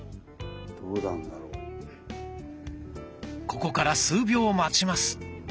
ここから数秒待ちます。